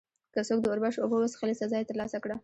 که څوک د اوربشو اوبه وڅښلې، سزا یې ترلاسه کړه.